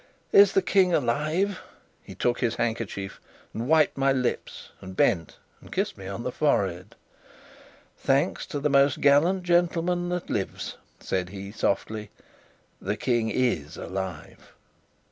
"Is the King alive?" He took his handkerchief and wiped my lips, and bent and kissed me on the forehead. "Thanks to the most gallant gentleman that lives," said he softly, "the King is alive!"